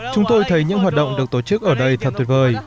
chúng tôi thấy những hoạt động được tổ chức ở đây thật tuyệt vời